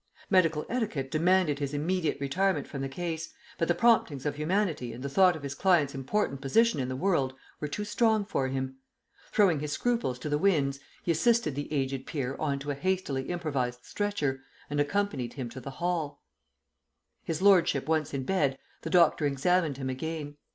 Medical etiquette demanded his immediate retirement from the case, but the promptings of humanity and the thought of his client's important position in the world were too strong for him. Throwing his scruples to the winds, he assisted the aged peer on to a hastily improvised stretcher and accompanied him to the Hall. His lordship once in bed, the doctor examined him again.